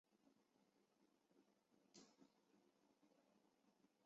超神英雄职业联赛是面向国内玩家的首个职业赛事。